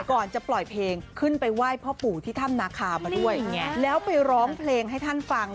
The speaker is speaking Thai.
ก่อนจะปล่อยเพลงขึ้นไปไหว้พ่อปู่ที่ถ้ำนาคามาด้วยแล้วไปร้องเพลงให้ท่านฟัง